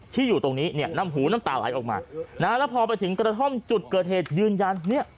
อยู่ตรงนี้เนี่ยน้ำหูน้ำตาไหลออกมานะฮะแล้วพอไปถึงกระท่อมจุดเกิดเหตุยืนยันเนี่ย